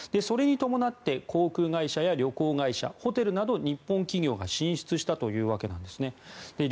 それに伴って航空会社や旅行会社、ホテルなど日本企業が進出したというわけです。